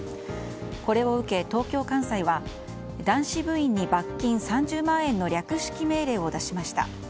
これを受け、東京簡裁は男子部員に罰金３０万円の略式命令を出しました。